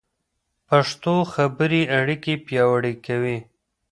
پښتو خبرې اړیکې پیاوړې کوي.